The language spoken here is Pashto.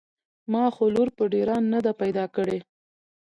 ما خو لور په ډېران نده پيدا کړې.